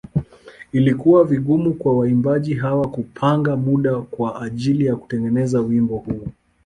Ilikuwa vigumu kwa waimbaji hawa kupanga muda kwa ajili ya kutengeneza wimbo huu.